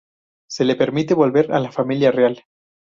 Se le permite volver a la familia real.